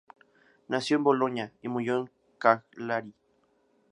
Nació en Boloña y murió en Cagliari.